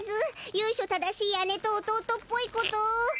ゆいしょ正しい姉と弟っぽいこと。